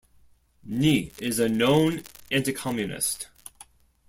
Ni is a known anti-communist.